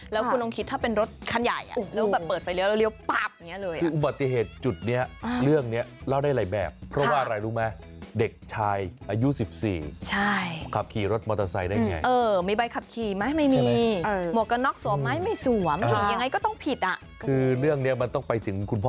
แล้วคุณต้องคิดถ้าเป็นรถคันใหญ่อ่ะแล้วแบบเปิดไปเร็วปั๊บอย่างเนี้ยเลย